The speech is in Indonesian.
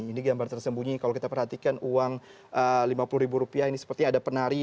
ini gambar tersembunyi kalau kita perhatikan uang rp lima puluh ini seperti ada penari